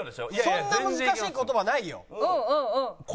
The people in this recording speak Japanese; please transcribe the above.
そんな難しい言葉ないよ。